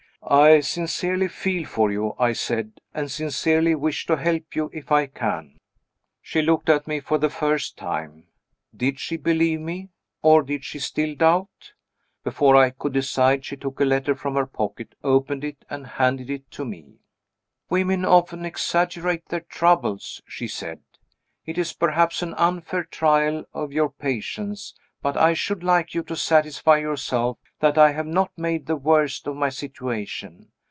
"I sincerely feel for you," I said, "and sincerely wish to help you, if I can." She looked at me for the first time. Did she believe me? or did she still doubt? Before I could decide, she took a letter from her pocket, opened it, and handed it to me. "Women often exaggerate their troubles," she said. "It is perhaps an unfair trial of your patience but I should like you to satisfy yourself that I have not made the worst of my situation.